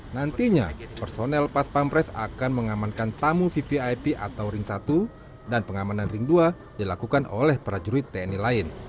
nantinya personel pas pampres akan mengamankan tamu vvip atau ring satu dan pengamanan ring dua dilakukan oleh prajurit tni lain